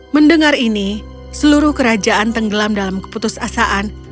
mendengar ini seluruh kerajaan tenggelam dalam keputusasaan